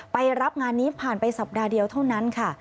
ไปรับงานนี้ผ่านไปสัปดาห์เดียวเท่านั้นค่ะ